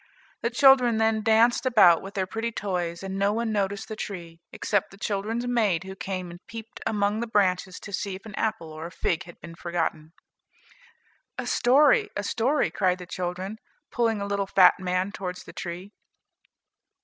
The children then danced about with their pretty toys, and no one noticed the tree, except the children's maid who came and peeped among the branches to see if an apple or a fig had been forgotten. "A story, a story," cried the children, pulling a little fat man towards the tree.